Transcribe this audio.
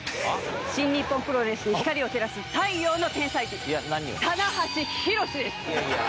新日本プロレスに光を照らす太陽の天才児、棚橋弘至です。